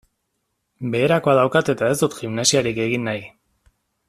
Beherakoa daukat eta ez dut gimnasiarik egin nahi.